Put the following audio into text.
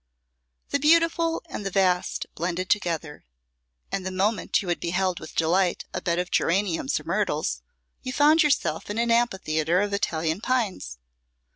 The beautiful and the vast blended together; and the moment after you had beheld with delight a bed of geraniums or of myrtles, you found yourself in an amphitheatre of Italian pines.